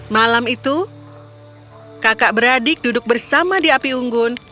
malam itu kakak beradik duduk bersama di api unggun